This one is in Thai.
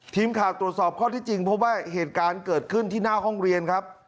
ทีมข่าวตรวจสอบข้อที่จริงเพราะว่าเหตุการณ์เกิดขึ้นที่หน้าห้องเรียนครับ